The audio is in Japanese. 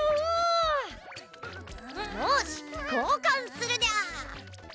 よしこうかんするニャ！